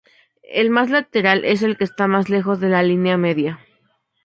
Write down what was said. El más lateral es el que está más lejos de la línea media